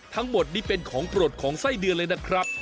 ทั้งหมดนี่เป็นของโปรดของไส้เดือนเลยนะครับ